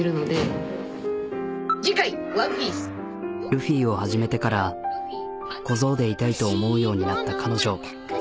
ルフィを始めてから小僧でいたいと思うようになった彼女。